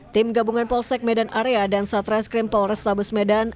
tim gabungan polsek medan area dan satreskrim polrestabes medan